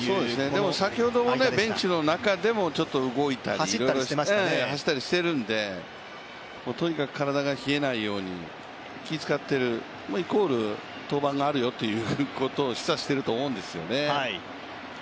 でも先ほどもベンチの中で動いたり、走ったりしているんで、とにかく体が冷えないように気をつかっている、イコール、登板があるよということを示唆してると思うんですよね。